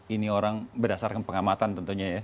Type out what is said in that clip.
ini orang berdasarkan pengamatan tentunya ya